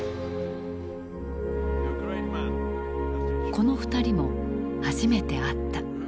この２人も初めて会った。